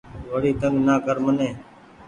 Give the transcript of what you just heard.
وڙي تنگ نا ڪر مني